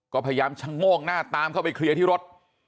ก็พยายามชะโงกหน้าตามเข้าไปเคลียร์ที่รถ